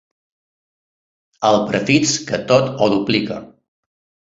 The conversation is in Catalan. El prefix que tot ho duplica.